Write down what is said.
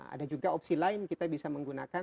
ada juga opsi lain kita bisa menggunakan